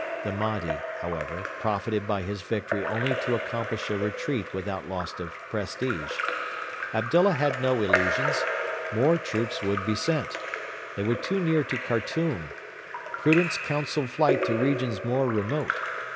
The Mahdi, however, profited by his victory only to accomplish a retreat without loss of prestige. Abdullah had no illusions. More troops would be sent. They were too near to Khartoum. Prudence counselled flight to regions more remote.